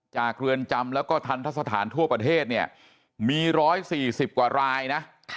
เรือนจำแล้วก็ทันทะสถานทั่วประเทศเนี่ยมี๑๔๐กว่ารายนะ